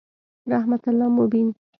رحمت الله مبین